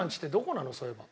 そういえば。